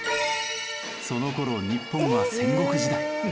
その頃日本は戦国時代。